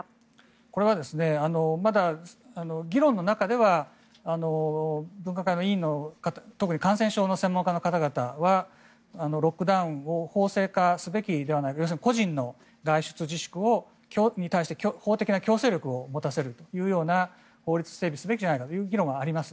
これはまだ議論の中では分科会の委員の特に感染症の専門家の方々はロックダウンを法制化すべきではないか要するに個人の外出自粛に対して法的な強制力を持たせるという法律整備をすべきじゃないかという議論はあります。